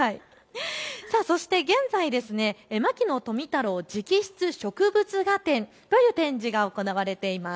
そして現在、牧野富太郎直筆植物画展という展示が行われています。